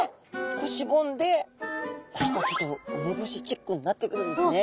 こうしぼんで何かちょっとウメボシチックになってくるんですね。